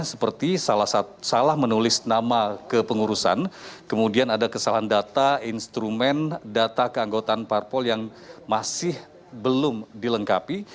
seperti salah menulis nama kepengurusan kemudian ada kesalahan data instrumen data keanggotaan parpol yang masih belum dilengkapi